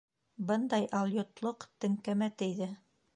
Бындай алйотлоҡ теңкәмә тейҙе.